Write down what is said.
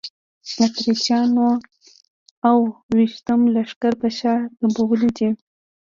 اتریشیانو اوه ویشتم لښکر په شا تنبولی دی.